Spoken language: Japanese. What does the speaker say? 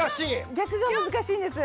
逆が難しいんです。